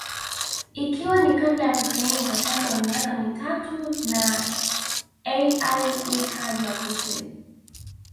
Ikiwa ni kabla ya kusaini mkataba wa miaka mitatu na Al Ittihad ya Misri